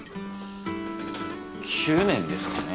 え９年ですかね？